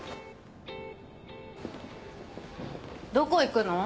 どこ行くの？